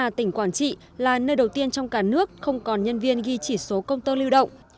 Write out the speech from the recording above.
hà tỉnh quảng trị là nơi đầu tiên trong cả nước không còn nhân viên ghi chỉ số công tơ lưu động